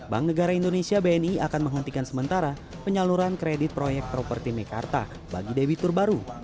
bank negara indonesia bni akan menghentikan sementara penyaluran kredit proyek properti mekarta bagi debitur baru